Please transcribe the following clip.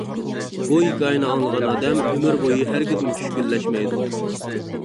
بۇ ھېكايىنى ئاڭلىغان ئادەم ئۆمۈر بويى ھەرگىزمۇ چۈشكۈنلەشمەيدۇ.